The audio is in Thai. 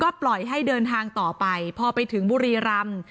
ปล่อยให้เดินทางต่อไปพอไปถึงบุรีรำ